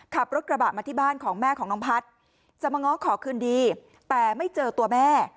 ขับรถกระบะมาที่บ้านของแม่ของน้องพัฒน์จะมาง้อขอคืนดีแต่ไม่เจอตัวแม่